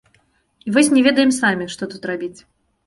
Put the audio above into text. І вось не ведаем самі, што тут рабіць.